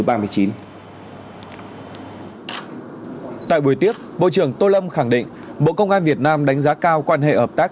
tại buổi tiếp bộ trưởng tô lâm khẳng định bộ công an việt nam đánh giá cao quan hệ hợp tác